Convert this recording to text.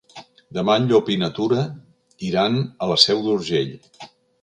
Demà en Llop i na Tura iran a la Seu d'Urgell.